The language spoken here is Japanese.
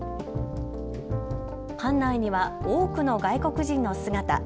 館内には多くの外国人の姿。